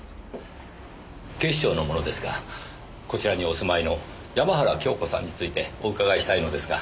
警視庁の者ですがこちらにお住まいの山原京子さんについてお伺いしたいのですが。